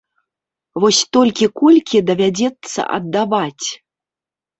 Вось толькі колькі давядзецца аддаваць?